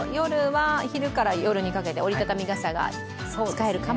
昼から夜にかけて折りたたみ傘が使えるかも。